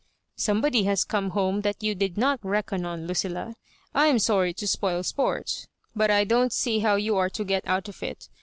" Somebody has come home that you did not reckoq on, Lucilla. I am sorry to spoil sport; but I don't see how you are to get out of it.